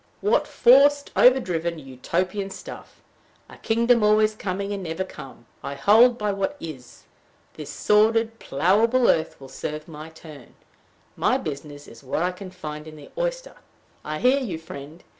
"What forced, overdriven, Utopian stuff! A kingdom always coming, and never come! I hold by what is. This solid, plowable earth will serve my turn. My business is what I can find in the oyster." I hear you, friend.